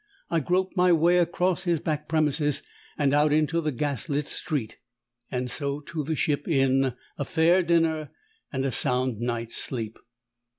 I groped my way across his back premises and out into the gaslit street; and so to the Ship Inn, a fair dinner, and a sound night's sleep.